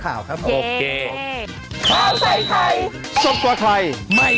จังกวนเสียงข่าวครับ